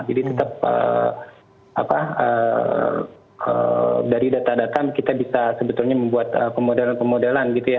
jadi tetap apa dari data data kita bisa sebetulnya membuat pemodelan pemodelan gitu ya